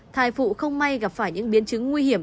thai phụ không may gặp phải những biến chứng nguy hiểm